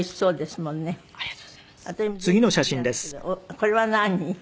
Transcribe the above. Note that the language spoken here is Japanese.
これは何？